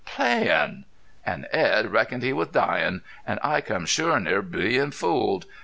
Playin'! An' Edd reckoned he was dyin' an' I come shore near bein' fooled.